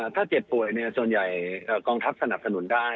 ถ้าเจ็บป่วยส่วนใหญ่กองทัพสนับสนุนได้